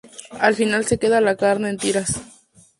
Al final se queda la carne en tiras.